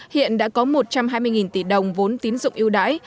hiện đã có một trăm hai mươi tỷ đồng vốn tín dụng yêu đái